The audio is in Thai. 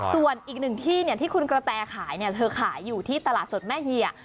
ส่วนอีกหนึ่งที่ที่คุณกระแตขายเธอขายอยู่ที่ตลาดสดแม่เฮีย